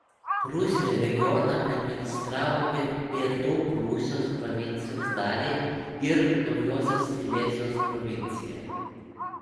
Prūsija regioną administravo kaip Pietų Prūsijos provincijos dalį ir Naujosios Silezijos provinciją.